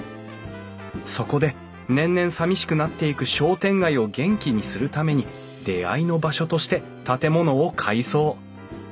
そこで年々さみしくなっていく商店街を元気にするために出会いの場所として建物を改装。